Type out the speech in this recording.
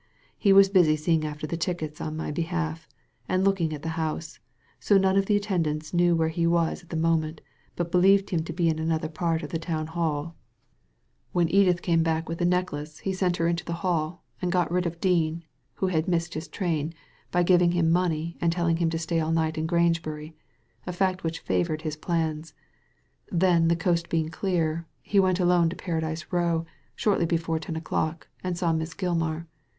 "He was busy seeing after the tickets on my behalf, and look ing at the house ; so none of the attendants knew where he was at the moment, but believed him to be in another part of the Town Hall. When Edith Digitized by Google i64 The ladv from nowher£ came back with the necklace he sent her into the hall, and got rid of Dean, who had missed his train, by giving him money and telling him to stay all night in Grangebury — a fact which favoured his plans ; then the coast being clear, he went alone to Paradise Row shortly before ten o'clock, and saw Miss Gilmar.